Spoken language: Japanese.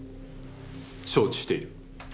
承知している。